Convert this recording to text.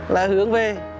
là hướng về